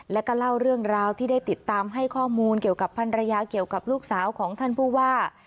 แล้วก็เล่าเรื่องราวที่ได้ติดตามให้ข้อมูลเกี่ยวกับพันรยาเกี่ยวกับลูกสาวของท่านผู้ว่า